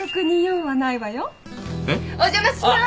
お邪魔します。